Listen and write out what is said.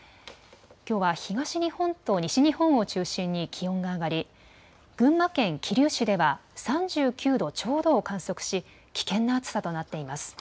きょうは東日本と西日本を中心に気温が上がり群馬県桐生市では３９度ちょうどを観測し危険な暑さとなっています。